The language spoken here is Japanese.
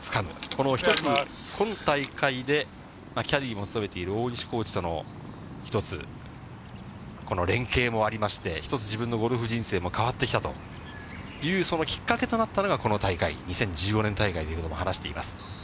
この一つ、今大会でキャディーも務めている大西コーチとの一つ、この連携もありまして、一つ自分のゴルフ人生も変わってきたという、そのきっかけとなったのがこの大会、２０１５年大会ということも話しています。